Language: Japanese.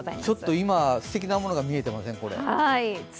今、すてきなものが見えてません？